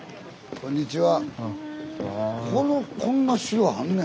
こんにちは。